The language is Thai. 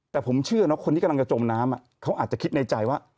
แต่ผมเชื่อนะคนที่กำลังจะจมน้ำเขาอาจจะคิดในใจว่า